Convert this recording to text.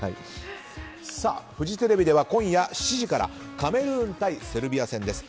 フジテレビでは今夜７時からカメルーン対セルビア戦です。